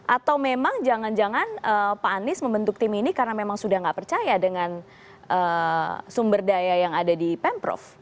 atau memang jangan jangan pak anies membentuk tim ini karena memang sudah tidak percaya dengan sumber daya yang ada di pemprov